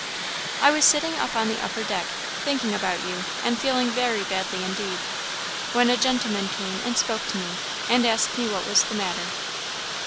I was sitting up on the upper deck, thinking about you, and feeling very badly indeed, when a gentleman came and spoke to me, and asked me what was the matter.